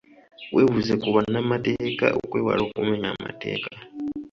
Webuuze ku bannamateeka okwewala okumenya amateeka.